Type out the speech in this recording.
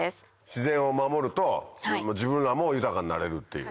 自然を守ると自分らも豊かになれるっていう。